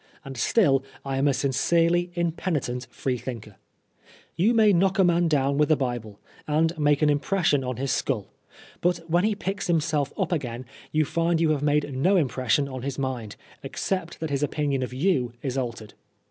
And still I am a sincerely impenitent Freethinker I You may knock a man down with the Bible, and make an impression on his skull ; but when he picks himself up again, you find you have made no impression on his mind, except that his opinion of you is altered.